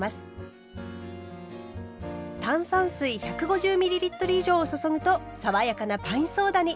炭酸水１５０ｍ以上を注ぐと爽やかなパインソーダに！